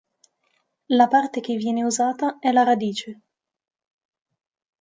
La parte che viene usata è la radice.